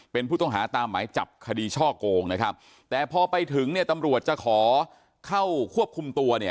เป็นผู้ต้องหาตามหมายจับคดีช่อโกงนะครับแต่พอไปถึงเนี่ยตำรวจจะขอเข้าควบคุมตัวเนี่ย